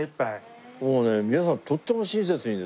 もうね皆さんとっても親切にですね